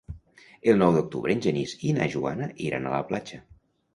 El nou d'octubre en Genís i na Joana iran a la platja.